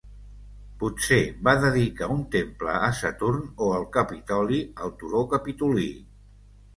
Potser va dedicar un temple a Saturn o el Capitoli al turó Capitolí.